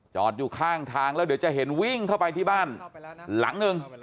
อยู่ข้างทางแล้วเดี๋ยวจะเห็นวิ่งเข้าไปที่บ้านหลังหนึ่ง